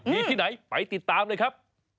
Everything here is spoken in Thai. มีที่ไหนไปติดตามเลยครับ